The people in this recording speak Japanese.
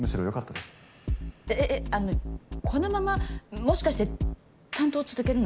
えっえっあのこのままもしかして担当続けるの？